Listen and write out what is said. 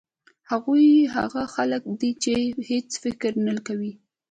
هغوی هغه خلک دي چې هېڅ فکر نه کوي.